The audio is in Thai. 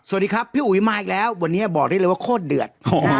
สวัสดีครับพี่อุ๋ยมาอีกแล้ววันนี้บอกได้เลยว่าโคตรเดือด